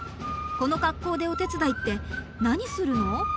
この格好でお手伝いって何するの？